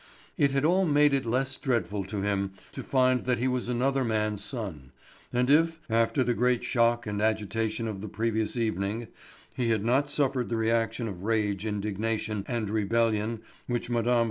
It had all made it less dreadful to him to find that he was another man's son; and if, after the great shock and agitation of the previous evening, he had not suffered the reaction of rage, indignation, and rebellion which Mme.